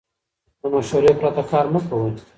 له مشورې پرته کار مه کوئ.